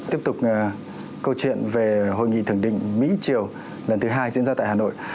tiếp tục câu chuyện về hội nghị thượng đỉnh mỹ triều lần thứ hai diễn ra tại hà nội